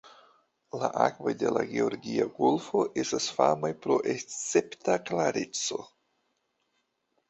La akvoj de la Georgia Golfo estas famaj pro escepta klareco.